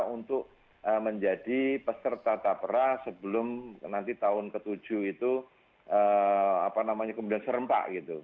untuk menjadi peserta tapera sebelum nanti tahun ke tujuh itu kemudian serempak gitu